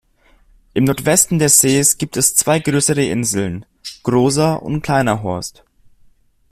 Im Nordwesten des Sees gibt es zwei größere Inseln "Großer und Kleiner Horst".